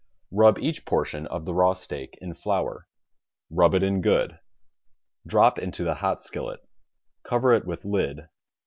Rub each portion of the raw steak in flour. Rub it in good. Drop into the hot skillet. Cover it with lid.